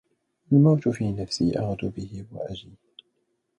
الموت في نفسي أغدو به وأجي